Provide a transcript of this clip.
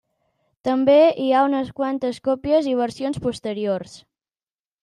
També hi ha unes quantes còpies i versions posteriors.